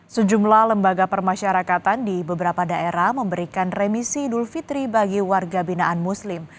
sejumlah lembaga permasyarakatan di beberapa daerah memberikan remisi idul fitri bagi warga binaan muslim